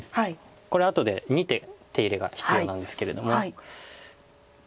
これ後で２手手入れが必要なんですけれども。